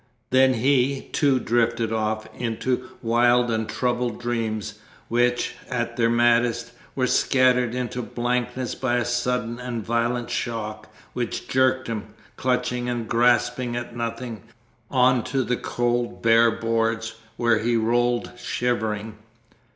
Then he, too, drifted off into wild and troubled dreams, which, at their maddest, were scattered into blankness by a sudden and violent shock, which jerked him, clutching and grasping at nothing, on to the cold, bare boards, where he rolled, shivering.